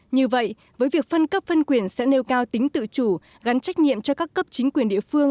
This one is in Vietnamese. như vậy với việc phân cấp phân quyền sẽ nêu cao tính tự chủ gắn trách nhiệm cho các cấp chính quyền địa phương